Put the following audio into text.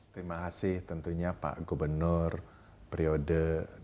terima kasih tentunya pak gubernur periode dua ribu tujuh belas dua ribu dua puluh dua